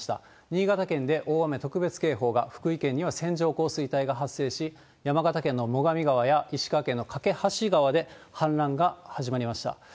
新潟県で大雨特別警報が、福井県には線状降水帯が発生し、山形県の最上川や石川県の梯川で、氾濫が始まりました。